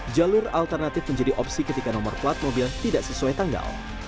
jalur alternatif menjadi opsi ketika nomor plat mobil tidak sesuai tanggal